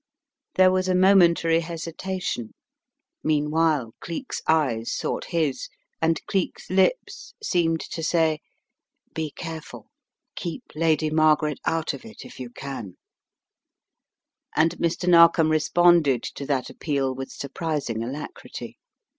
There was a momentary hesitation; meanwhile, Cleek's eyes sought his and Cleek's lips seemed to say: "Be careful. Keep Lady Margaret out of it if you can," and Mr. Narkom responded to that ap peal with surprising alacrity.